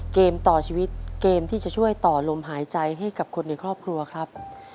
เกมต่อชีวิตเกมที่จะช่วยต่อลมหายใจให้กับคนในครอบครัวครับ